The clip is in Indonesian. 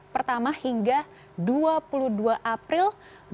pertama hingga dua puluh dua april dua ribu dua puluh